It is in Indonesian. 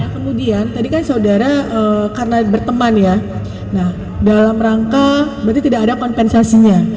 kemudian tadi kan saudara karena berteman ya nah dalam rangka berarti tidak ada kompensasinya